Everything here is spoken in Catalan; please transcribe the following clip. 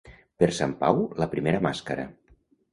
Per Sant Pau, la primera màscara.